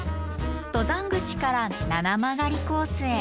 登山口から七曲りコースへ。